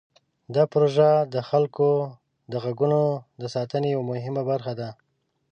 دا پروژه د خلکو د غږونو د ساتنې یوه مهمه برخه ده.